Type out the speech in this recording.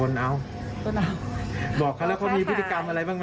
ก็บอกเขาแล้วเขามีพฤติกรรมอะไรบ้างไหม